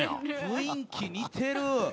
雰囲気似てる。